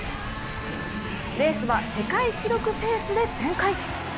レースは世界記録ペースで展開。